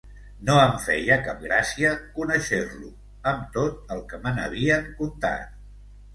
No em feia cap gràcia conéixer-lo, amb tot el que me n’havien contat.